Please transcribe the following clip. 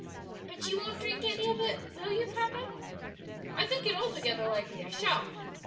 "But you won't drink any of it, will you, papa?" "I think it altogether likely I shall."